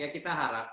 ya kita harap